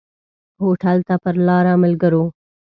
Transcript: هوټل ته پر لاره ملګرو.